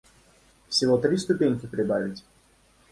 Всего три ступеньки прибавить.